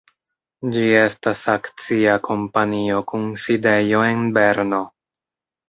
Ĝi estas akcia kompanio kun sidejo en Berno.